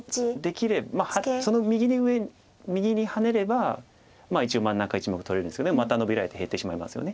その右にハネれば一応真ん中１目取れるんですけどまたノビられて減ってしまいますよね。